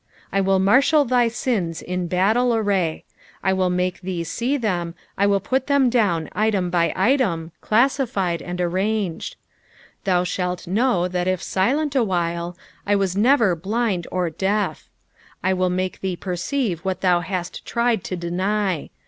I wilt marshHl thy sins in battle array. I will make thee see them, I will put them down item by item, classified, and arranged. Tliou sbalt know that if silent awhile, I was never blind or deaf. I will make thee perceive what thou hast tried to deny.